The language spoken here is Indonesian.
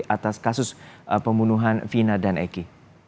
atas kasus pembunuhan vina dan eki